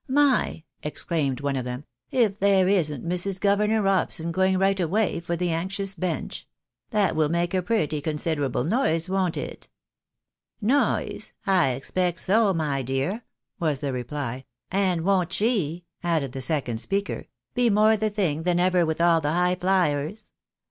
" My !" exclaimed one of them, " if there isn't Mrs. Governor Eobson going right away for the anxious bench ! That will make a pretty considerable noise, won't it? "" Noise ? I expect so, my dear," was the reply ;" and won't she," added the second speaker, " be more the thing than ever with all the highflyers